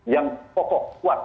yang pokok kuat